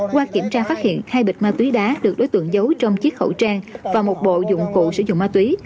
qua kiểm tra phát hiện hai bịch ma túy đá được đối tượng giấu trong chiếc khẩu trang và một bộ dụng cụ sử dụng ma túy